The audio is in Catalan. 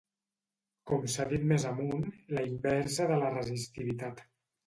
Com s'ha dit més amunt, la inversa de la resistivitat.